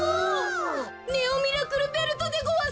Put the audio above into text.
ネオ・ミラクルベルトでごわす！